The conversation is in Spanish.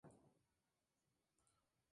Habita en Cerdeña.